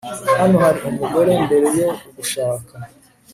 Hano hari umugore mbere yo kugushaka